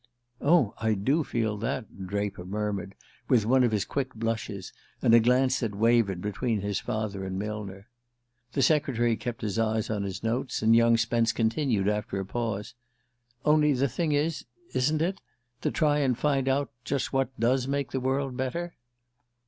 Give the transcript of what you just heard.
"Oh, I do feel that," Draper murmured, with one of his quick blushes, and a glance that wavered between his father and Millner. The secretary kept his eyes on his notes, and young Spence continued, after a pause: "Only the thing is isn't it? to try and find out just what does make the world better?"